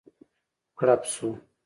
کړپ شو.